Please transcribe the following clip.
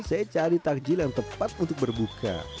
saya cari takjil yang tepat untuk berbuka